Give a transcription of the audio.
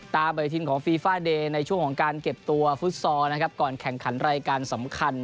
ปฏิทินของฟีฟ่าเดย์ในช่วงของการเก็บตัวฟุตซอลนะครับก่อนแข่งขันรายการสำคัญ